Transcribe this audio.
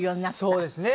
そうですね。